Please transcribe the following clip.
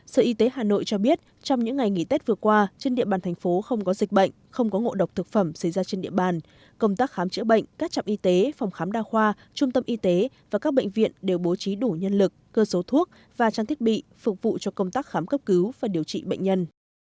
sở y tế hà nội cho biết trong những ngày nghỉ tết vừa qua trên địa bàn thành phố không có dịch bệnh không có ngộ độc thực phẩm xảy ra trên địa bàn công tác khám chữa bệnh các trạm y tế phòng khám đa khoa trung tâm y tế và các bệnh viện đều bố trí đủ nhân lực cơ số thuốc và trang thiết bị phục vụ cho công tác khám cấp cứu và điều trị bệnh nhân